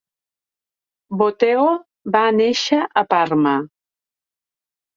Bottego va néixer a Parma.